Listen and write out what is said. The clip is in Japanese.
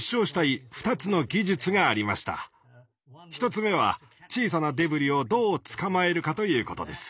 １つ目は小さなデブリをどう捕まえるかということです。